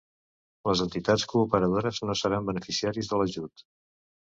Les Entitats cooperadores no seran beneficiaris de l'ajut.